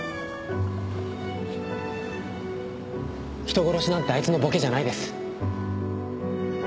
人殺しなんてあいつのボケじゃないです。